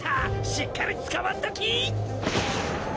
しっかりつかまっとき！